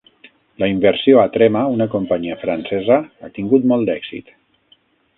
La inversió a Trema, una companyia francesa, ha tingut molt d"èxit.